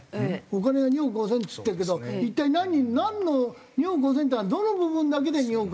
お金が２億５０００っつってるけど一体なんの２億５０００というのはどの部分だけで２億。